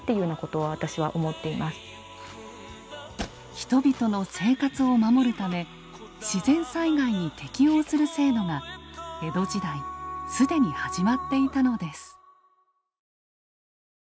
人々の生活を守るため自然災害に適応する制度が江戸時代既に始まっていたのです。